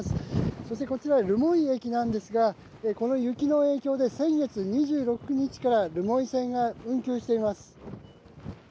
そして、こちら留萌駅なんですがこの雪の影響で先月２６日から留萌線が運休しています。